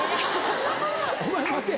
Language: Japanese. お前待て！